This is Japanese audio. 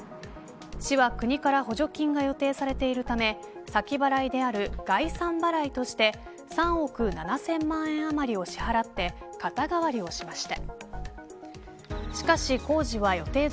市は国から補助金が予定されているため先払いである概算払いとして３億７０００万円余りを支払って肩代わりをしました。